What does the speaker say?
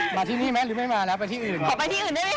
ขอไปที่อื่นได้ไหมคะพูดแทนน้องใหม่